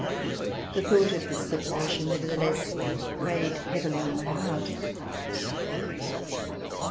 The thought of this separation, nevertheless, weighed heavily on my heart.